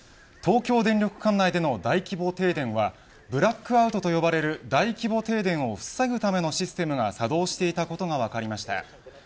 東京電力管内での大規模停電はブラックアウトと呼ばれる大規模停電を防ぐためのシステムが作動していたことが分かりました。